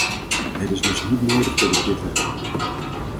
Het is dus niet nodig dat ik dit herhaal.